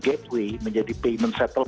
dan mereka menjadi payment gateway